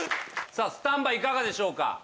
さあスタンバイいかがでしょうか？